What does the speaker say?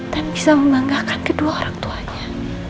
dan bisa membanggakan kedua orang tuanya